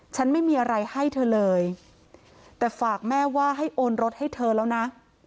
ฉันไม่มีอะไรให้เธอเลยแต่ฝากแม่ว่าให้โอนรถให้เธอแล้วนะ